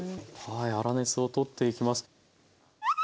はい粗熱を取っていきます。